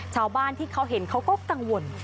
ชาวบ้านที่เขาเห็นเขาก็กังวล